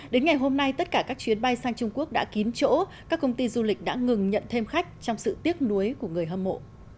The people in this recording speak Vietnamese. đến ngày hôm nay tất cả các chuyến bay sang trung quốc đã kín chỗ các công ty du lịch đã ngừng nhận thêm khách trong sự tiếc nuối của người hâm mộ